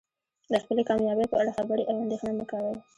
د خپلې کامیابۍ په اړه خبرې او اندیښنه مه کوئ.